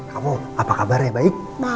kamu apa kabarnya baik